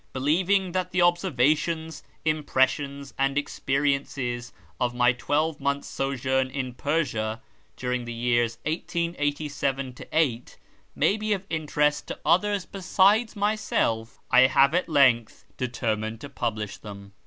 Believing that the observations, impressions, and experiences of my twelve months' sojourn in Persia during the years 1887 8 may be of interest to others besides myself, I have at length determined to publish them.